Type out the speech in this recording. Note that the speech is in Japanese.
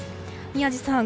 宮司さん